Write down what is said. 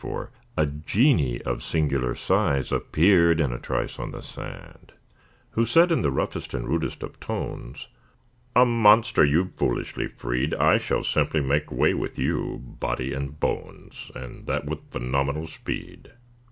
For a genie of singular size Appeared in a trice on the sand, Who said in the roughest and rudest of tones: "A monster you've foolishly freed! I shall simply make way with you, body and bones, And that with phenomenal speed!"